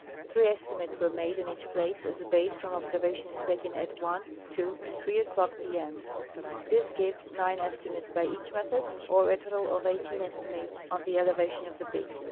Three esti mates Avere made on each place as a base from observations taken at 1:00, 2:00, and 3:00 o'clock p. m. This gives nine estimates GEOGRAPHIC LITERATURE 155 by each method, or a total of eighteen estimates on the elevation of the peak.